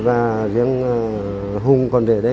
và riêng hung con rể đây